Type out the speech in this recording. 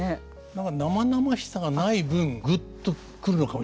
何か生々しさがない分グッと来るのかもしれませんね。